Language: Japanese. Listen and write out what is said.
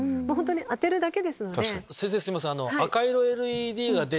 先生すいません。